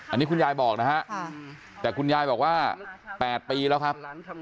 อันนี้คุณยายบอกนะฮะแต่คุณยายบอกว่า๘ปีแล้วครับ